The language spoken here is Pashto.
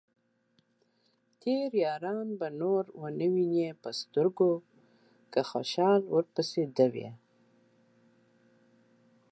تېر ياران به نور ؤنه وينې په سترګو ، که خوشال ورپسې دوې